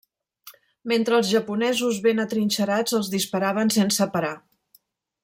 Mentre els japonesos ben atrinxerats els disparaven sense parar.